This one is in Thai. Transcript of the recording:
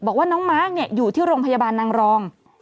บอกว่าน้องมาร์คอยู่ที่โรงพยาบาลนางรอง